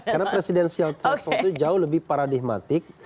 karena presidential threshold itu jauh lebih paradisi